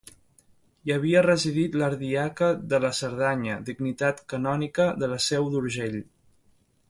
Hi havia residit l'ardiaca de la Cerdanya, dignitat canònica de la Seu d'Urgell.